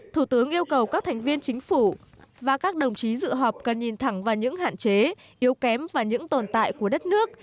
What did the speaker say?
thủ tướng yêu cầu các thành viên chính phủ và các đồng chí dự họp cần nhìn thẳng vào những hạn chế yếu kém và những tồn tại của đất nước